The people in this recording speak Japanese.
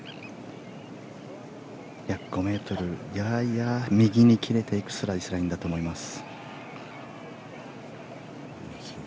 約５ｍやや右に切れていくスライスラインだと思います。